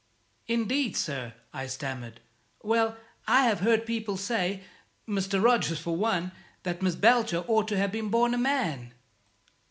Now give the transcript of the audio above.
"Indeed, sir," I stammered. "Well, I have heard people say Mr. Rogers for one that Miss Belcher ought to have been born a man."